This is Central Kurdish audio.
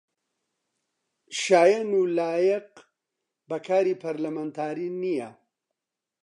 شایەن و لایەق بە کاری پەرلەمانتاری نییە